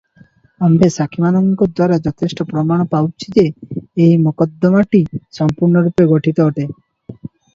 ଆମ୍ଭେ ସାକ୍ଷୀମାନଙ୍କ ଦ୍ୱାରା ଯଥେଷ୍ଟ ପ୍ରମାଣ ପାଉଛୁ ଯେ, ଏହି ମକଦ୍ଦମାଟି ସଂପୂର୍ଣ୍ଣରୂପେ ଗଠିତ ଅଟେ ।